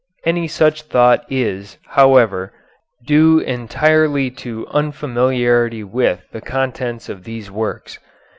Any such thought is, however, due entirely to unfamiliarity with the contents of these works.